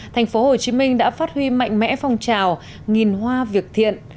thành phố hồ chí minh đã phát huy mạnh mẽ phong trào nghìn hoa việc thiện